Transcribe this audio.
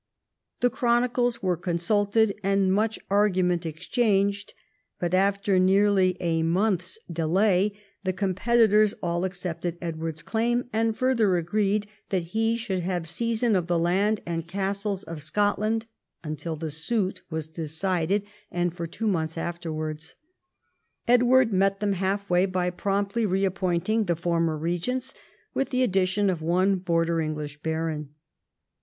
The chronicles were consulted and much argument exchanged, but after nearly a month's delay the competitors all accepted Edward's claim, and fixrther agreed that he should have seisin of the land and castles of Scotland until the suit was decided and for two months after wards. Edward met them half way by promptly reap pointing the former regents, with the addition of one border English baron.